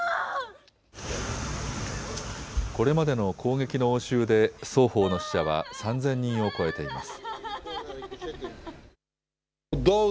これまでの攻撃の応酬で双方の死者は３０００人を超えています。